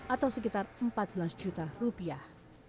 atau sekitar empat belas juta rupiah